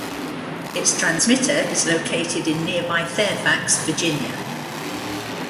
Its transmitter is located in nearby Fairfax, Virginia.